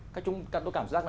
các chúng tôi cảm giác là